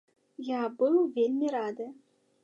Я быў вельмі рады.